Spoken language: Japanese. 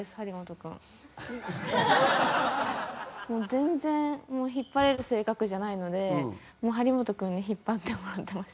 全然引っ張れる性格じゃないので張本君に引っ張ってもらってました。